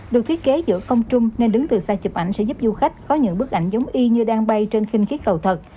được thiết kế giữa công trung nên đứng từ xa chụp ảnh sẽ giúp du khách có những bức ảnh giống y như đang bay trên khinh khí cầu thật